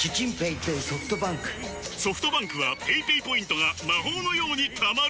ソフトバンクはペイペイポイントが魔法のように貯まる！